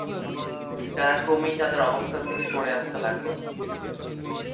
তারা ক্রমেই তাদের অবস্থান থেকে সরে আসতে লাগল।